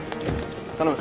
頼む。